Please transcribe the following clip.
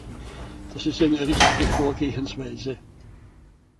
Das ist eine richtige Vorgehensweise.